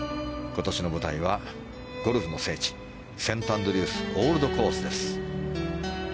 今年の舞台はゴルフの聖地セントアンドリュースオールドコースです。